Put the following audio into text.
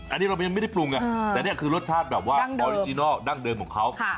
อันนี้เรายังไม่ได้ปรุงไงแต่นี่คือรสชาติแบบว่าออริจินัลดั้งเดิมของเขา